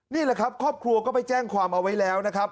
นี่แหละครับครอบครัวก็ไปแจ้งความเอาไว้แล้วนะครับ